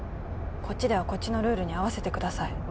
こっちではこっちのルールに合わせてください